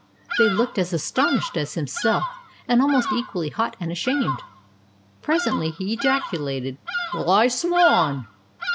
They looked as astonished as himself, and almost equally hot and ashamed. Presently he ejaculated, "Well, I swan!"